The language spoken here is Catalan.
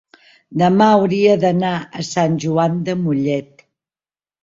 demà hauria d'anar a Sant Joan de Mollet.